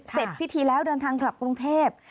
เสร็จพิธีแล้วเดินทางกลับกรุงเทพ